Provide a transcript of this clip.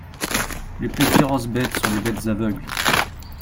Les plus féroces bêtes sont les bêtes aveugles.